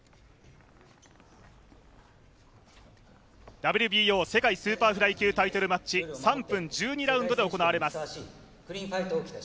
ＷＢＯ世界スーパーフライ級タイトルマッチ３分１２ラウンドで行われます。